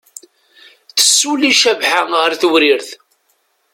Tessuli Cabḥa ɣer Tewrirt.